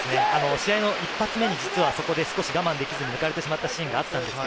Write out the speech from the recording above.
試合の一発目にそこで我慢できずに行かれてしまったシーンがあったんですよ。